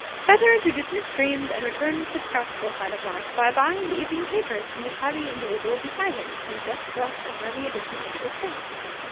Better to dismiss dreams and return to the practical side of life by buying the evening papers from the shabby individual beside him, who had just thrust an early edition in his face.